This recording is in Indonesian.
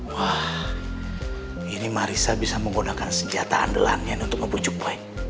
wah ini marissa bisa menggunakan senjata andelannya untuk ngebujuk boy